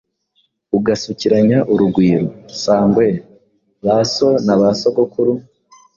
Ugasukiranya urugwiro. Sangwe, ba so na ba sogokuru,